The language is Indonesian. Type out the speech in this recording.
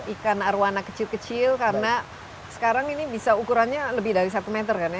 ikan arowana kecil kecil karena sekarang ini bisa ukurannya lebih dari satu meter kan ya